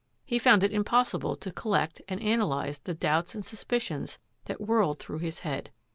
He found it impossible to collect and analyse the doubts and suspicions that whirled through his head.